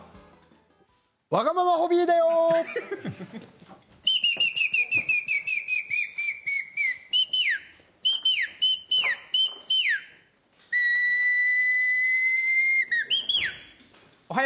「わがままホビー」だよ！